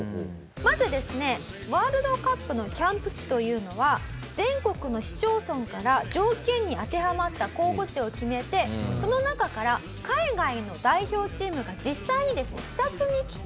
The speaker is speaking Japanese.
まずですねワールドカップのキャンプ地というのは全国の市町村から条件に当てはまった候補地を決めてその中から海外の代表チームが実際にですね視察に来て選ぶという流れだったんですよ。